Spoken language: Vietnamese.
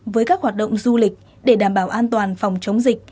với các hoạt động du lịch để đảm bảo an toàn phòng chống dịch